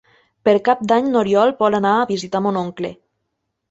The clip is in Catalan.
Per Cap d'Any n'Oriol vol anar a visitar mon oncle.